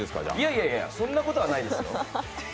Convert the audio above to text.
いやいや、そんなことはないですよ。